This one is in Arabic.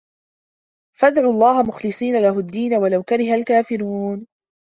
فَادعُوا اللَّهَ مُخلِصينَ لَهُ الدّينَ وَلَو كَرِهَ الكافِرونَ